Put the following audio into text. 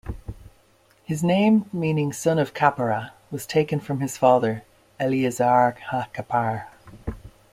His name, meaning "Son of Kapparah", was taken from his father, Eleazar ha-Kappar.